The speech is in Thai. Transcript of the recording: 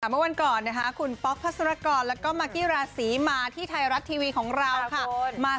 เมื่อวันก่อนนะคะคุณป๊อกพัศรกรแล้วก็มากกี้ราศีมาที่ไทยรัฐทีวีของเราค่ะ